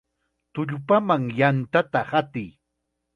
¡Tullpaman yantata hatiy!